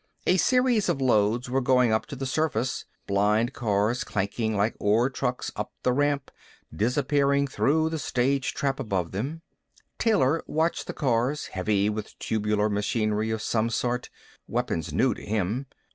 A series of loads were going up to the surface, blind cars clanking like ore trucks up the ramp, disappearing through the stage trap above them. Taylor watched the cars, heavy with tubular machinery of some sort, weapons new to him.